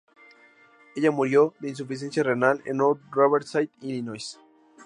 Ella murió de insuficiencia renal en North Riverside, Illinois.